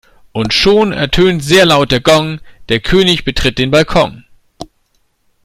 Und schon ertönt sehr laut der Gong, der König betritt den Balkon.